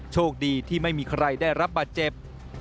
โชคดีที่ไม่มีใครได้รับบาดเจ็บ